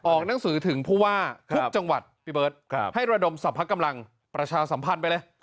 ออกหนังสือถึงเพราะว่าทุกจังหวัดให้ระดมสรรพกำลังประชาสัมพันธ์ไปเลย